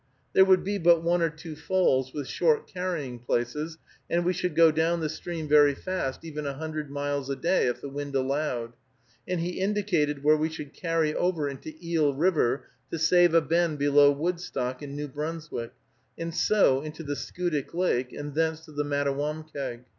There would be but one or two falls, with short carrying places, and we should go down the stream very fast, even a hundred miles a day, if the wind allowed; and he indicated where we should carry over into Eel River to save a bend below Woodstock in New Brunswick, and so into the Schoodic Lake, and thence to the Mattawamkeag.